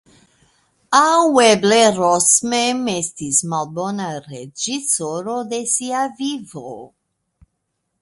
Aŭ eble Ros mem estis malbona reĝisoro de sia vivo.